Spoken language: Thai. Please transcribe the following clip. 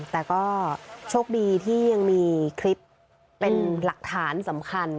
แต่ก็โชคดีที่ยังมีคลิปเป็นหลักฐานสำคัญ